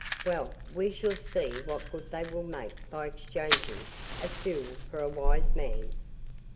Well, we shall see what good they will make by exchanging a fool for a wise man.